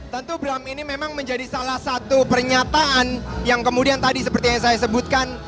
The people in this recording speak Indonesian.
tentu bram ini memang menjadi salah satu pernyataan yang kemudian tadi seperti yang saya sebutkan